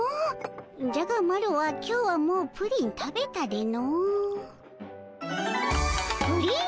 じゃがマロは今日はもうプリン食べたでの。